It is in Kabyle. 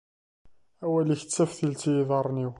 Awal-ik d taftilt i yiḍarren-iw.